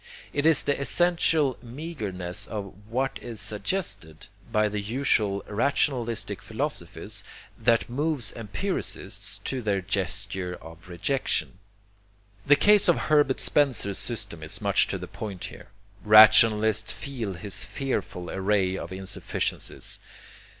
It is the essential meagreness of WHAT IS SUGGESTED by the usual rationalistic philosophies that moves empiricists to their gesture of rejection. The case of Herbert Spencer's system is much to the point here. Rationalists feel his fearful array of insufficiencies.